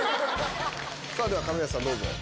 さあ、では亀梨さんどうぞ。